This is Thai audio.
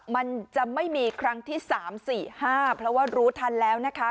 มันจะไม่มีครั้งที่๓๔๕เพราะว่ารู้ทันแล้วนะคะ